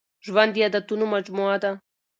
ژوند د عادتونو مجموعه ده.